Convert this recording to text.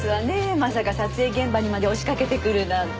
まさか撮影現場にまで押し掛けてくるなんて。